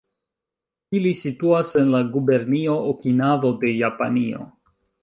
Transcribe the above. Ili situas en la gubernio Okinavo de Japanio.